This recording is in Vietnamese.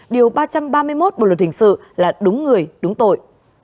điều ba trăm ba mươi một bộ luật hình sự là đúng người đúng tội